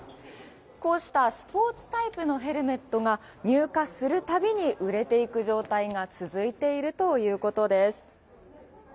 こうしたスポーツタイプのヘルメットが入荷する度に売れていく状態が続いているということです。